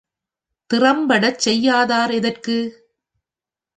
திறம்படச் செய்யாதார் எதற்கு?